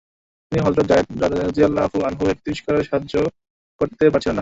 তিনি হযরত যায়েদ রাযিয়াল্লাহু আনহু-এর তিরস্কার সহ্য করতে পারছিলেন না।